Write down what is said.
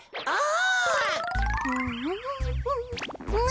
あ！